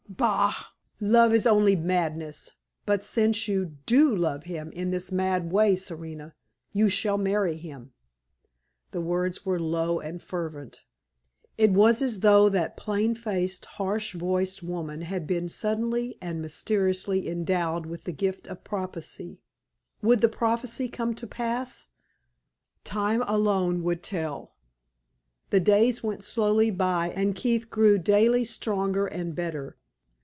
"Bah! Love is only madness. But since you do love him in this mad way, Serena, you shall marry him!" The words were low and fervent. It was as though that plain faced, harsh voiced woman had been suddenly and mysteriously endowed with the gift of prophecy. Would the prophecy come to pass? Time alone would tell. The days went slowly by, and Keith grew daily stronger and better.